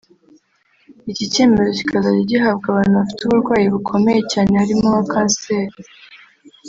Iki cyemezo kikazajya gihabwa abantu bafite uburwayi bukomeye cyane harimo nka Canceri